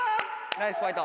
ナイスファイト。